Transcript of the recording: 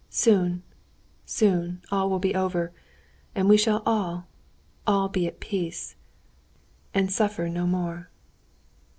Soon, soon, all will be over, and we shall all, all be at peace, and suffer no more."